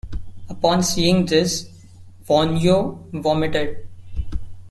Upon seeing this, Wonhyo vomited.